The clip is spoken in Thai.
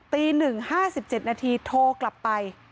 ตีหนึ่งห้าสิบเจ็ดนาทีโทรกลับไป